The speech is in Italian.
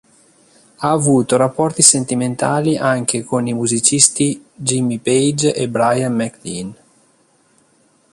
Ha avuto rapporti sentimentali anche con i musicisti Jimmy Page e Bryan MacLean.